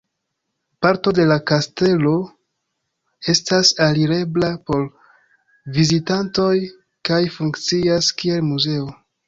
Parto de la kastelo estas alirebla por vizitantoj kaj funkcias kiel muzeo.